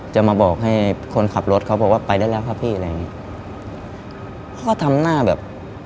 จะมาบอกให้คนขับรถเขาบอกว่าไปได้แล้วครับพี่อะไรอย่างงี้พ่อทำหน้าแบบ